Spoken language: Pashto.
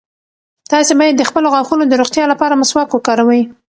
تاسي باید د خپلو غاښونو د روغتیا لپاره مسواک وکاروئ.